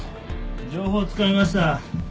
情報つかみました。